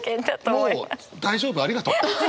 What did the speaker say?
もう大丈夫ありがとう。